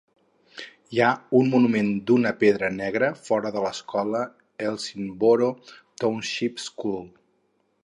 Hi ha un monument d"una pedra negra fora de l"escola Elsinboro Township School.